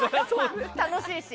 楽しいし。